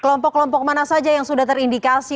kelompok kelompok mana saja yang sudah terindikasi